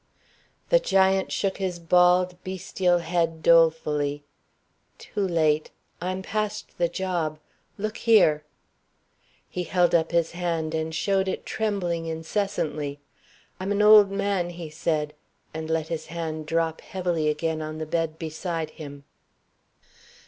The giant shook his bald, bestial head dolefully. "Too late. I'm past the job. Look here." He held up his hand, and showed it trembling incessantly. "I'm an old man," he said, and let his hand drop heavily again on the bed beside him.